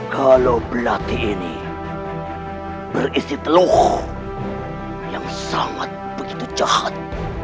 kalau berarti ini berisi teluk yang sangat begitu jahat